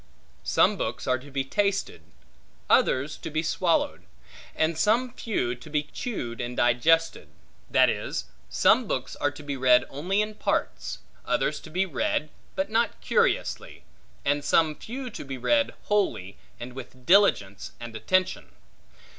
Some books are to be tasted, others to be swallowed, and some few to be chewed and digested; that is, some books are to be read only in parts; others to be read, but not curiously; and some few to be read wholly, and with diligence and attention.